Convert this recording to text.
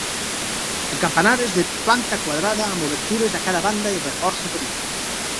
El campanar és de planta quadrada amb obertures a cada banda i reforç superior.